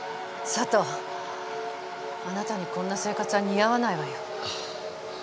サトウあなたにこんな生活は似合わないわよ。